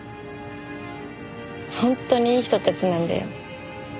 本当にいい人たちなんだよ。